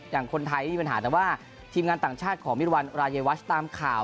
อย่างคนไทยไม่มีปัญหาแต่ว่าทีมงานต่างชาติของมิรวรรณรายวัชตามข่าว